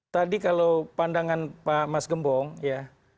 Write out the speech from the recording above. tadi kalau pandangan pak mas gembong ya